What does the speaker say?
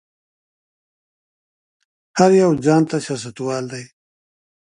هر يو ځان ته سياستوال دی.